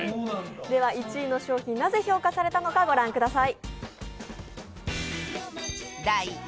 １位の商品なぜ評価されたのか御覧ください。